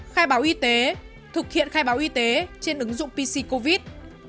khai báo y tế thực hiện khai báo y tế trên ứng dụng pc covid